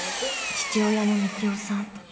父親の幹雄さん